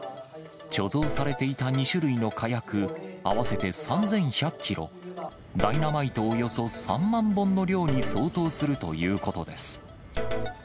貯蔵されていた２種類の火薬、合わせて３１００キロ、ダイナマイトおよそ３万本の量に相当するということです。